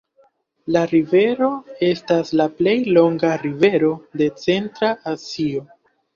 La rivero estas la plej longa rivero de Centra Azio.